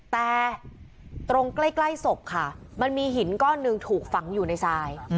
แต่ตรงใกล้ศพค่ะมันมีหินก้อนหนึ่งถูกฝังอยู่ในทราย